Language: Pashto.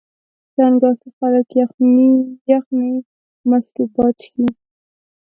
چنګاښ کې خلک یخني مشروبات څښي.